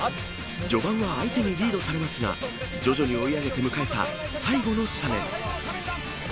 序盤は相手にリードされますが徐々に追い上げて迎えた最後の斜面。